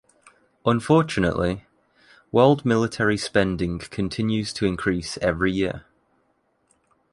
Unfortunately, world military spending continues to increase every year.